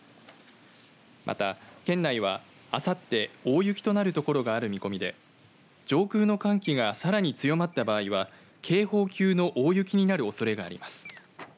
また県内はあさって大雪となる所がある見込みで上空の寒気がさらに強まった場合は警報級の大雪になるおそれがあります。